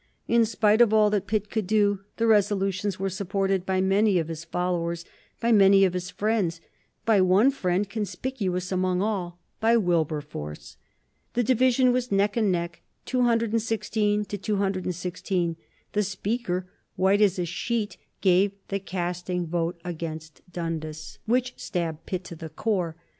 In spite of all that Pitt could do, the resolutions were supported by many of his followers, by many of his friends, by one friend conspicuous among all, by Wilberforce. The division was neck and neck, 216 to 216; the Speaker, "white as a sheet," gave the casting vote against Dundas which stabbed Pitt to the core.